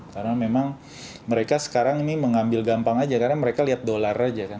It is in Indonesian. karena memang mereka sekarang ini mengambil gampang saja karena mereka lihat dolar saja